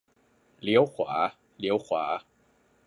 เลี้ยวขวา เลี้ยวขวา